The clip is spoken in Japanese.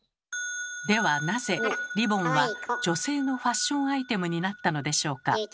ではなぜリボンは女性のファッションアイテムになったのでしょうか？